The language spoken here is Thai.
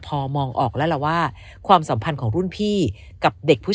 พอมองออกแล้วล่ะว่าความสัมพันธ์ของรุ่นพี่กับเด็กผู้